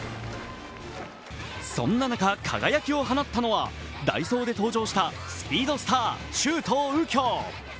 そんな中、輝きを放ったのは代走で登場したスピードスター・周東佑京。